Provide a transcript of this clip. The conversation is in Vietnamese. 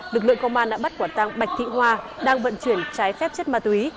lực lượng công an đã bắt quả tăng bạch thị hoa đang vận chuyển trái phép chất ma túy